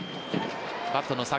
バットの先